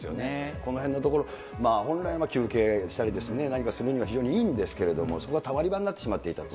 このへんのところ、本来は休憩したり、何かするには非常にいいんですけれども、そこがたまり場になってしまっていたと。